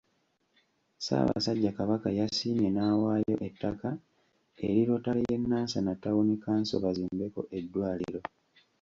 Ssaabasajja Kabaka yasiimye n'awaayo ettaka eri Rotary y'e Nansana Ttawuni kkanso bazimbeko eddwaliro.